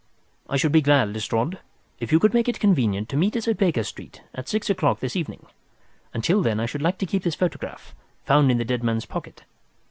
I should be glad, Lestrade, if you could make it convenient to meet us at Baker Street at six o'clock this evening. Until then I should like to keep this photograph, found in the dead man's pocket.